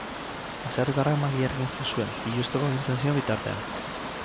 Baserritarrak makilarekin jo zuen, biluzteko agintzen zion bitartean.